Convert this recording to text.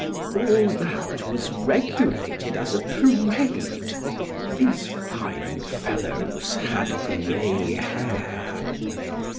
All that was regulated as a parade; these fine fellows had gray hair.